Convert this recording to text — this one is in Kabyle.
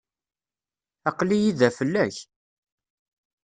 Aql-iyi da fell-ak.